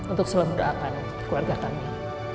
untuk selama doakan keluarga kami